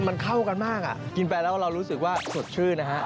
มันเข้ากันมากอ่ะกินไปแล้วเรารู้สึกว่าสดชื่นนะฮะ